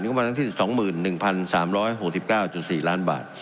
อยู่บนฐานที่๒๑๓๖๙๔ล้านบาท